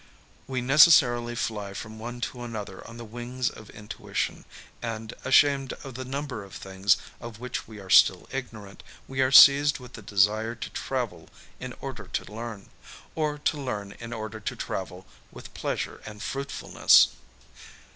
We necessarily fly from one to another on the wings of intui ii8 PARIS tion, and, ashamed of the number of things of which we are still ignorant, we are seized with the desire to travel in order to learn, or to learn in order to travel with pleasure and fruitfulness.